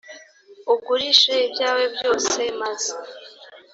ugurishe ibyawe byose maze